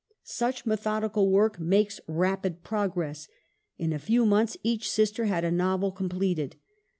Such methodical work makes rapid progress. In a few months each sister had a novel com pleted.